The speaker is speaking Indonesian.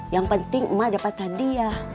yang penting emak dapat hadiah